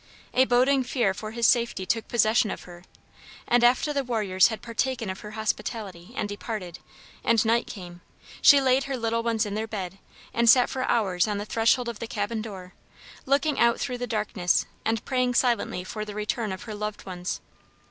A boding fear for his safety took possession of her, and after the warriors had partaken of her hospitality and departed, and night came, she laid her little ones in their bed, and sat for hours on the threshold of the cabin door, looking out through the darkness and praying silently for the return of her loved ones.